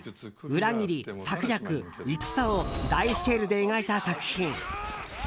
裏切り、策略、戦を大スケールで描いた作品。